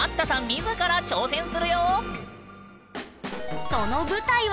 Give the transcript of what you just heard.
自ら挑戦するよ！